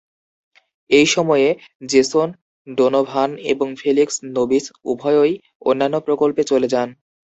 এই সময়ে, Jason Donovan এবং ফেলিক্স নোবিস উভয়ই অন্যান্য প্রকল্পে চলে যান।